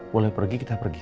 boleh pergi kita pergi